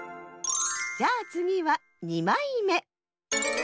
じゃあつぎは２まいめ。